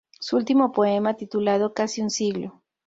Su último poema titulado ¡Casi un siglo...!